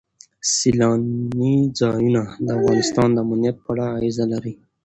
سیلاني ځایونه د افغانستان د امنیت په اړه اغېز لري.